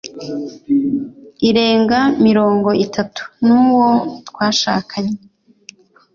irenga mirongo itatu n'uwo twashakanye